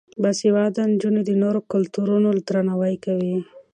باسواده نجونې د نورو کلتورونو درناوی کوي.